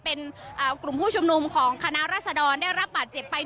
เป็นกลุ่มผู้ชุมนุมของคณะรัศดรได้รับบาดเจ็บไป